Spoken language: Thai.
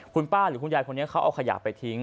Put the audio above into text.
คุณป้าหรือคุณยายคนนี้เขาเอาขยะไปทิ้ง